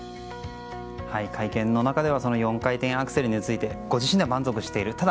会見の中では４回転アクセルについてご自身では満足している。